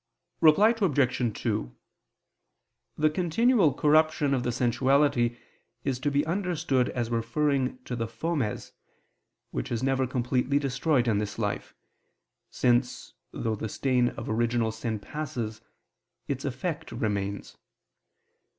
Reply Obj. 2: The continual corruption of the sensuality is to be understood as referring to the fomes, which is never completely destroyed in this life, since, though the stain of original sin passes, its effect remains.